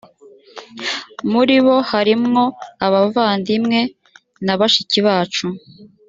muri bo harimo abavandimwe na bashiki bacu